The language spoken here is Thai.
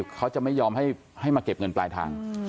เขาจะไม่ยอมให้มาเก็บเงินปลายทาง